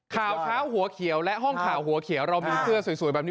ข่าวเช้าหัวเขียวห้องข่าวหัวเขียว